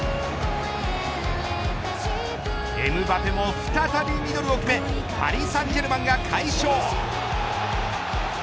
エムバペも再びミドルを決めパリ・サンジェルマンが快勝。